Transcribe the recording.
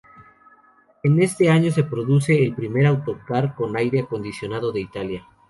En este año se produce el primer autocar con aire acondicionado de Italia.